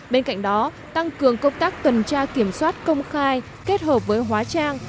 bên cạnh đó tăng cường công tác tuần tra kiểm soát công khai kết hợp với hóa trang